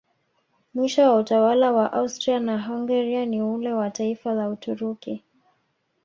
Mwisho wa utawala wa Austria naHungaria na wa ule wa taifa la Uturuki